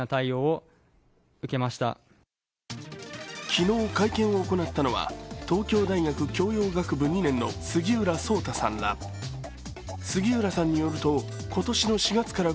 昨日会見を行ったのは東京大学教養学部２年の杉浦蒼大さんら。